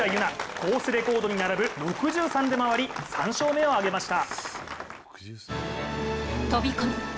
コースレコードに並ぶ６３で回り、３勝目を挙げました。